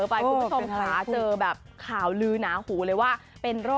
จ้างจะไม่คิดถ้าเธอพูดแบบนี้